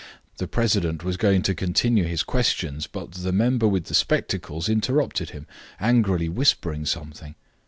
The president was going to continue his questions, but the member with the spectacles interrupted him, angrily whispering something.